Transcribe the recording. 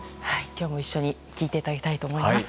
今日も一緒に聴いていただきたいと思います。